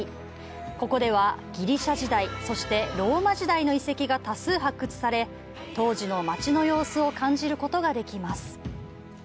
ここでは、ギリシャ時代、そしてローマ時代の遺跡が多数発掘され、当時の街の様子を感じることができます。